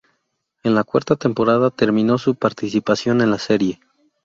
En la cuarta temporada terminó su participación en la serie.